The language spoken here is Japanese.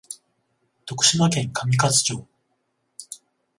徳島県上勝町